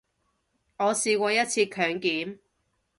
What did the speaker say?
我試過一次強檢